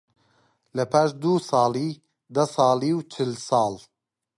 لەپاش دوو ساڵی، دە ساڵی و چل ساڵ